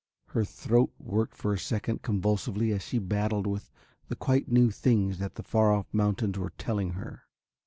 Her throat worked for a second convulsively as she battled with the quite new things that the far off mountains were telling her.